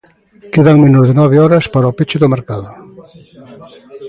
Quedan menos de nove horas para o peche do mercado.